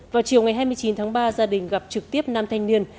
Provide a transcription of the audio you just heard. vào chiều ngày hai mươi chín tháng ba gia đình gặp trực tiếp năm thanh niên